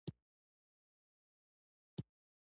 جنرالان مأیوس او خواشیني شول.